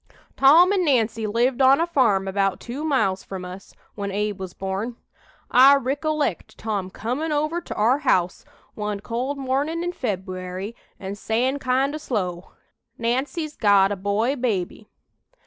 "Tom an' Nancy lived on a farm about two miles from us, when Abe was born. I ricollect Tom comin' over to our house one cold mornin' in Feb'uary an' sayin' kind o' slow, 'Nancy's got a boy baby.'